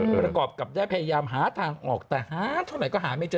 ประกอบกับได้พยายามหาทางออกแต่หาเท่าไหร่ก็หาไม่เจอ